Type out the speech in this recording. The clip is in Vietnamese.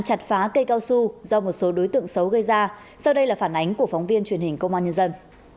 chặt phá cây cao su do một số đối tượng xấu gây ra sau đây là phản ánh của phóng viên truyền hình công an nhân dân